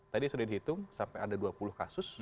tadi sudah dihitung sampai ada dua puluh kasus